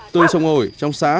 từ trồng ổi trong xã